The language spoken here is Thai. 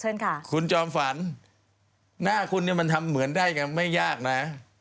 เชิญค่ะคุณจอมฝันหน้าคุณเนี่ยมันทำเหมือนได้กันไม่ยากนะ